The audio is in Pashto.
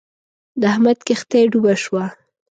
د احمد کښتی ډوبه شوه.